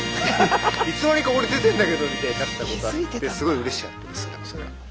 いつの間にか俺出てんだけどみたいになったことあってすごいうれしかったです。